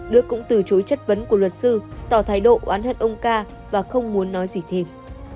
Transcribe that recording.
đức cũng từ chối chất vấn của luật sư tỏ thái độ oán hận ông ca và không muốn nói gì thêm